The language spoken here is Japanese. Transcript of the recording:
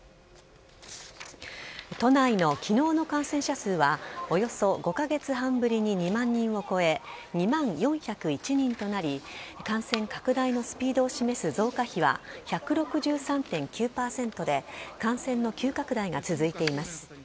都内の昨日の感染者数はおよそ５カ月半ぶりに２万人を超え２万４０１人となり感染拡大のスピードを示す増加比は１６３．９％で感染の急拡大が続いています。